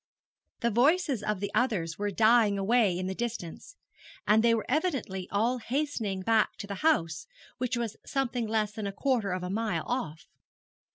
The voices of the others were dying away in the distance, and they were evidently all hastening back to the house, which was something less than a quarter of a mile off.